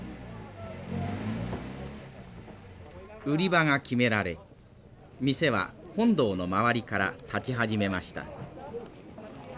売り場が決められ店は本堂の周りから立ち始めました。